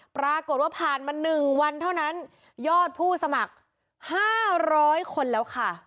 ปรากฏว่าผ่านมา๑วันเท่านั้นยอดผู้สมัคร๕๐๐คนแล้วค่ะ